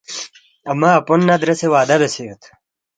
امّہ اپو نہ دریسے وعدہ بیاسے یودپی